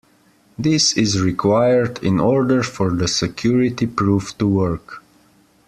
This is required in order for the security proof to work.